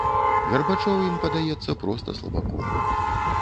Гарбачоў ім падаецца проста слабаком.